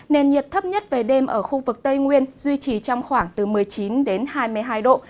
nền nhiệt thấp nhất về đêm ở khu vực tây nguyên duy trì trong khoảng từ một mươi chín đến hai mươi hai độ